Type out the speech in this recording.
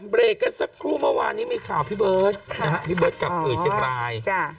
เบรกกันสักครู่เมื่อวานนี้มีข่าวพี่เบิร์ดพี่เบิร์ดกลับอื่นเชฟราย